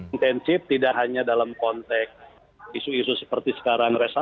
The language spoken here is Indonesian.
intensif tidak hanya dalam konteks isu isu seperti sekarang